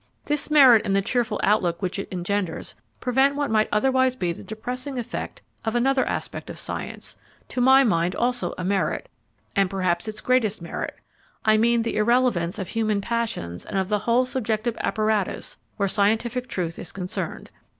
This merit and the cheerful outlook which it engenders prevent what might otherwise be the depressing effect of another aspect of science, to my mind also a merit, and perhaps its greatest merit I mean the irrelevance of human passions and of the whole subjective apparatus where scientific truth is concerned.